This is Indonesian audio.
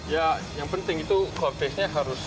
ya yang penting itu club face nya harus